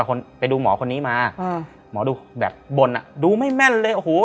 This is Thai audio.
คนไปดูหมอคนนี้มาอ่าหมอดูแบบบ่นอ่ะดูไม่แม่นเลยโอ้โห